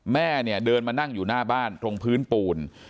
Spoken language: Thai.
แม่เนี่ยเดินมานั่งอยู่หน้าบ้านตรงพื้นปูน